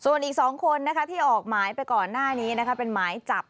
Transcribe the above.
ส่วนอีก๒คนที่ออกหมายไปก่อนหน้านี้นะคะเป็นหมายจับ